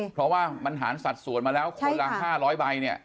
เพราะว่ามันหารสัดส่วนมาแล้วคนละ๕๐๐ใบเนี่ย